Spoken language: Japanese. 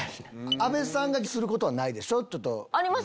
あべさんがすることはないでしょ？